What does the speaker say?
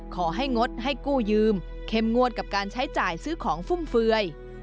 ขอให้งดให้กู้ยืมเข้มงวดกับการใช้จ่ายซื้อของฟุ่มเฟือย